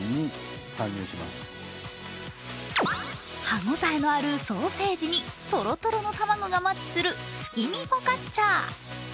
歯応えのあるソーセージにトロトロの卵がマッチする月見フォカッチャ。